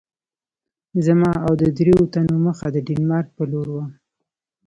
زما او د دریو تنو مخه د ډنمارک په لور وه.